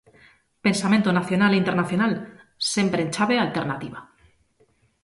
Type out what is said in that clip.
Pensamento nacional e internacional, sempre en chave alternativa.